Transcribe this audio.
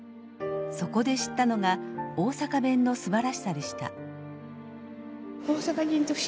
そこで知ったのが大阪弁のすばらしさでした。